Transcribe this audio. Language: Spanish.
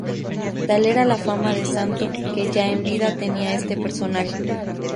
Tal era la fama de santo que ya en vida tenía este personaje.